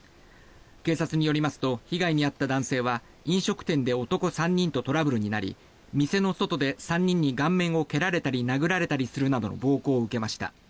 警察によりますと被害に遭った男性は飲食店で男３人とトラブルになり店の外で３人に顔面を蹴られたり殴られたりするなどの暴行を受けました。